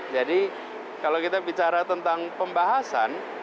jadi kalau kita bicara tentang pembahasan